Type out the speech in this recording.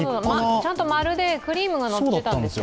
ちゃんとまるでクリームがのっていたんですよ。